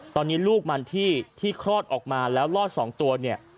ตอนนี้ลูกมันที่คลอดออกมาแล้วรอด๒ตัวเนี่ย